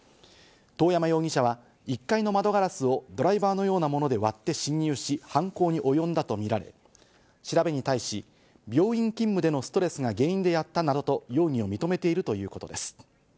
遠山容疑者は１階の窓ガラスをドライバーのようなもので割って侵入し犯行におよんだとみられ、調べに対し、病院勤務でのストレスが原因でやったなどと容疑を認めているということです。